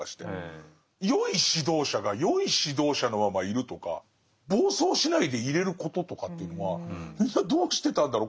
よい指導者がよい指導者のままいるとか暴走しないでいれることとかというのはみんなどうしてたんだろう。